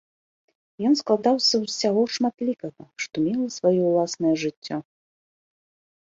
Ён складаўся з усяго шматлікага, што мела сваё ўласнае жыццё.